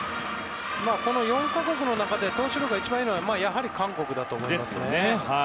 この４か国の中で投手力が一番いいのはやはり韓国だと思いますね。